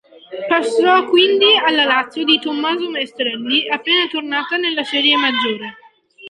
Passò quindi alla Lazio di Tommaso Maestrelli appena tornata nella serie maggiore.